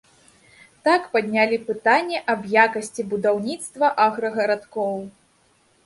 Так паднялі пытанне аб якасці будаўніцтва аграгарадкоў.